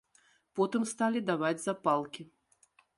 Потым сталі даваць запалкі.